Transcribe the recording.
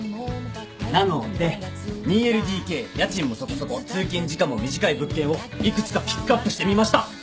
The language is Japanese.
なので２ＬＤＫ家賃もそこそこ通勤時間も短い物件を幾つかピックアップしてみました。